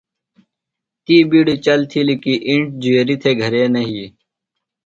تی بِیڈیۡ چل تِھیلیۡ کی اِنڇ جُویریۡ تھےۡ گھرے نہ یھی۔